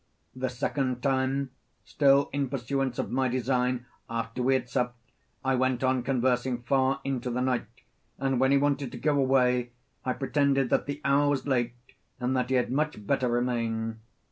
The second time, still in pursuance of my design, after we had supped, I went on conversing far into the night, and when he wanted to go away, I pretended that the hour was late and that he had much better remain.